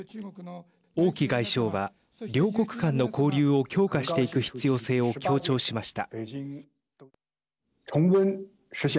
王毅外相は両国間の交流を強化していく必要性を強調しました。